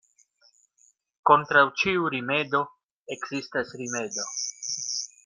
Kontraŭ ĉiu rimedo ekzistas rimedo.